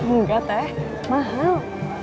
enggak teh mahal